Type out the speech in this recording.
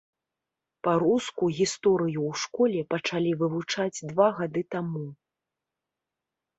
Па-руску гісторыю ў школе пачалі вывучаць два гады таму.